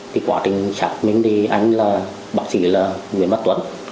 thì quá trình xác minh thì anh là bác sĩ nguyễn mắt tuấn